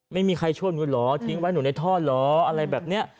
ไม่มีใครช่วยหนูเหรอทิ้งไว้หนูในท่อเหรออะไรแบบนี้